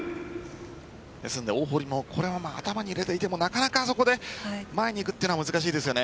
ですので大堀も頭に入れていてもなかなかあそこで前に行くのは難しいですよね。